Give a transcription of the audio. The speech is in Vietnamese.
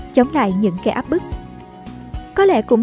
chống lại những kẻ áp bức có lẽ cũng